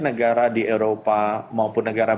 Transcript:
negara di eropa maupun negara